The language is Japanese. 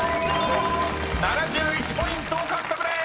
［７１ポイント獲得でーす！］